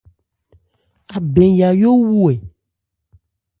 Abɛn Yayó wu ɛ ?